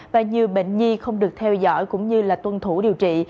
và nhiều bệnh nhi không được theo dõi cũng như tuân thủ điều trị